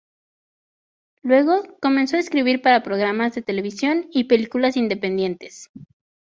Luego comenzó a escribir para programas de televisión y películas independientes.